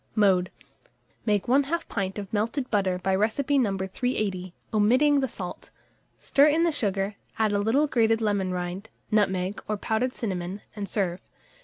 Mode. Make 1/2 pint of melted butter by recipe No. 380, omitting the salt; stir in the sugar, add a little grated lemon rind, nutmeg, or powdered cinnamon, and serve.